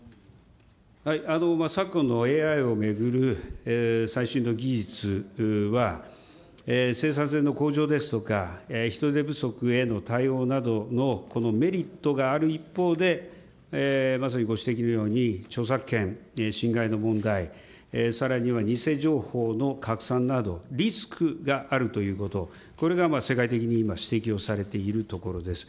昨今のＡＩを巡る最新の技術は、生産性の向上ですとか、人手不足への対応などのメリットがある一方で、まさにご指摘のように、著作権侵害の問題、さらには、偽情報の拡散など、リスクがあるということ、これが世界的に今、指摘をされているところです。